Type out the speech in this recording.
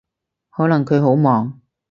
可能佢好忙